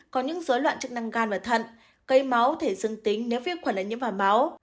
có những dối loạn chức năng gan và thận cây máu thể dưng tính nếu viết khoản lãnh nhiễm vào máu